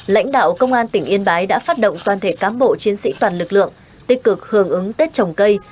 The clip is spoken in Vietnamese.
lãnh đạo công an tỉnh yên bái đã phát động toàn thể cám bộ chiến sĩ toàn lực lượng tích cực hưởng ứng tết trồng cây